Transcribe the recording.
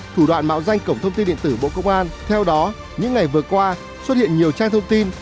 theo đó những ngày vừa qua xuất hiện nhiều trang thông tin